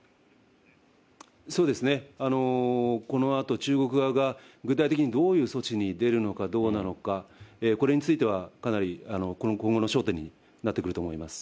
そうですね、このあと中国側が、具体的にどういう措置に出るのかどうなのか、これについてはかなり今後の焦点になってくると思います。